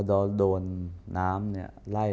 อเรนนี่แหละอเรนนี่แหละ